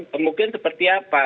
pembuktian seperti apa